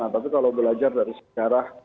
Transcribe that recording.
tapi kalau belajar dari sejarah